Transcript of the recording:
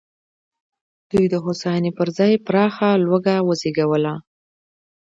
دوی د هوساینې پر ځای پراخه لوږه وزېږوله.